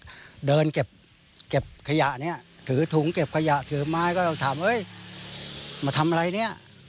ก็เดินเก็บขยะเนี่ยถือถุงเก็บขยะถือไม้ก็ถามเฮ้ยมาทำอะไรเนี่ย